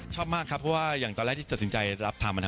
ชอบมากครับเพราะตอนแรกที่จะสินใจตรับทำ